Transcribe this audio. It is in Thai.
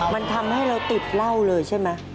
มันทำให้เราติดเหล้าเลยใช่ไหม